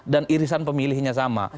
dan irisan pemilihnya sama